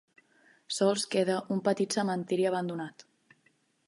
Sols queda un petit cementiri abandonat.